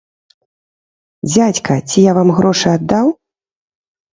Дзядзька, ці я вам грошы аддаў?!